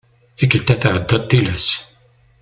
Tikelt-a tεeddaḍ tilas.